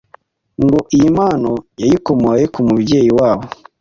ngo iyi mpano yayikomoye ku mubyeyi wabo